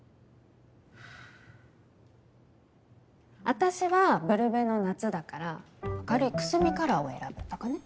あたしはブルベの夏だから明るいくすみカラーを選ぶとかね。